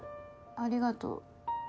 ありがとう。